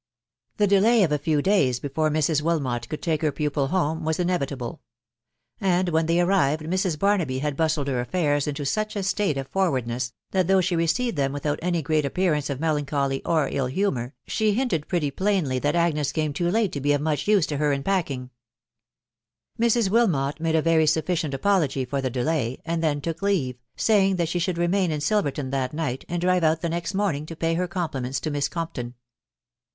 The delay of a few days before Mrs. Wilmot could take her pupil home, was inevitable ; and when they arrived Mrs. JBarnaby hod bustled her affairs into such a stale o£ iorrcasA THE WIDOW BARNABT. 73 ness, that, though she received them without any great ap pearance of melancholy or ill humour, she hinted pretty plainly that Agnes came too late to be of much use to her in packing, Mrs. Wilmot made a very sufficient apology for the delay, and then took leave, saying that she should remain in Silver ton that night, and drive out the next morning to pay her compliments to Miss Compton.